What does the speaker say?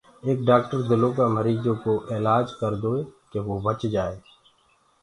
ايڪ ڊآڪٽر دلو ڪآ مريٚجو ڪوُ الآج ڪردوئي ڪي وو بچ جآئي